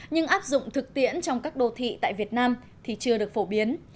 nhưng áp dụng thực tiễn trong các đô thị tại việt nam thì chưa được phổ biến